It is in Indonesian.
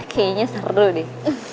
kayaknya seru deh